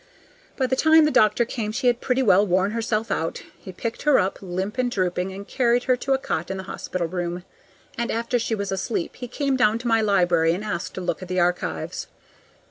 By the time the doctor came she had pretty well worn herself out. He picked her up, limp and drooping, and carried her to a cot in the hospital room; and after she was asleep he came down to my library and asked to look at the archives.